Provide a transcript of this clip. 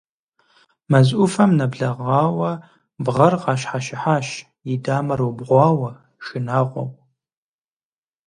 Мэз Ӏуфэм нэблэгъуауэ Бгъэр къащхьэщыхьащ, и дамэр убгъуауэ, шынагъуэу.